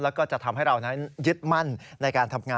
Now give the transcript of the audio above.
และก็จะทำให้เรานั้นยึดมั่น